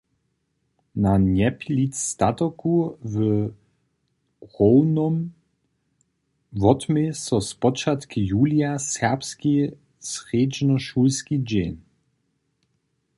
Na Njepilic statoku w Rownom wotmě so spočatk julija serbski srjedźnošulski dźeń.